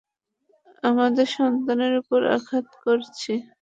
আমাদের সন্তানের উপর আঘাত করেছি।